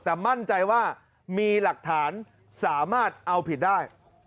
แต่มั่นใจว่ามีหลักฐานสามารถเอาผิดได้